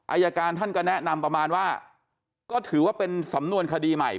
อายการท่านก็แนะนำประมาณว่าก็ถือว่าเป็นสำนวนคดีใหม่